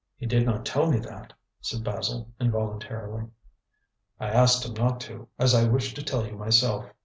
"He did not tell me that," said Basil involuntarily. "I asked him not to, as I wished to tell you myself.